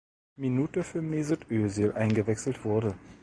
Minute für Mesut Özil eingewechselt wurde.